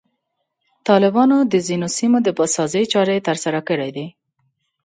طالبانو د ځینو سیمو د بازسازي چارې ترسره کړي دي.